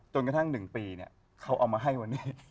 จนกระทั่ง๑ปีเขาเอามาให้วันนี้